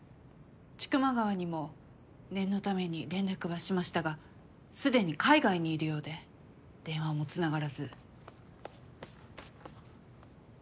千曲川にも念のために連絡はしましたが既に海外にいるようで電話も繋がらず。